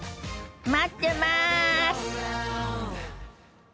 待ってます！